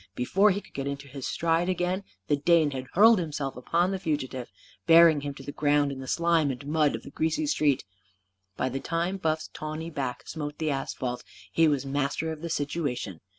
Before he could get into his stride again, the Dane had hurled himself upon the fugitive, bearing him to the ground, in the slime and mud of the greasy street. By the time Buff's tawny back smote the asphalt, he was master of the situation.